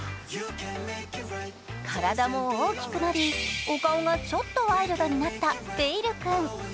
体も大きくなるお顔がちょっとワイルドになったベイル君。